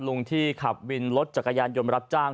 ลุงที่ขับวินรถจักรยานยนต์รับจ้าง